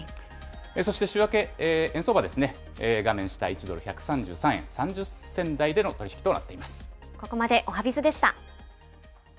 そして週明け円相場ですね、画面下、１ドル１３３円３０銭台での取り引きとなっています。